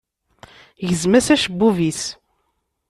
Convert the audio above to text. Gzem-as acebbub-is.